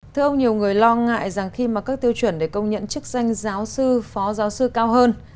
thưa ông nhiều người lo ngại rằng khi mà các tiêu chuẩn để công nhận chức danh giáo sư phó giáo sư cao hơn